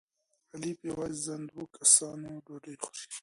علي په یوازې ځان د دوه کسانو ډوډۍ خوري.